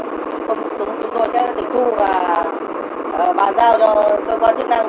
không đúng chúng tôi sẽ tịch thu và bàn giao cho cơ quan chức năng